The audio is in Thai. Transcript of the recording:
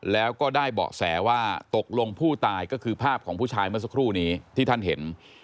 แล้วก็ได้เบาะแสว่าตกลงผู้ตายก็คือภาพของผู้ชายเมื่อสักครู่นี้ที่ท่านเห็น